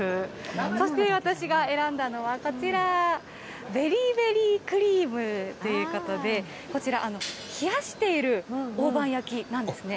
そして私が選んだのはこちら、ベリーベリークリームということで、こちら、冷やしている大判焼きなんですね。